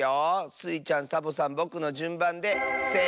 スイちゃんサボさんぼくのじゅんばんでせの。